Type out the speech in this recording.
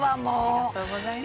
ありがとうございます。